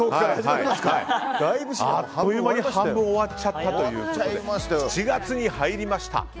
あっという間に半分終わっちゃったということで７月に入りました。